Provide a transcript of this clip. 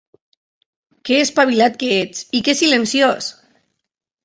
Que espavilats que ets, i que silenciós!